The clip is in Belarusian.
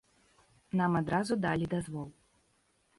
Нам адразу далі дазвол.